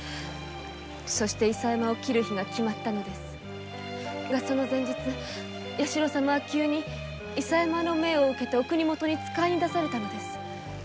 そして伊佐山を切る日が決まったのですがその前日弥四郎様は急に伊佐山の命を受けお国元へ使いに出されたのです。